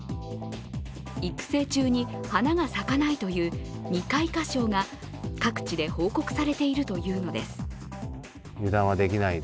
育成中に花が咲かないという未開花症が各地で報告されているというのです。